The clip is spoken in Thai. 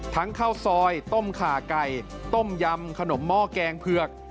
ข้าวซอยต้มขาไก่ต้มยำขนมหม้อแกงเผือก